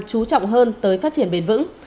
chú trọng hơn tới phát triển bền vững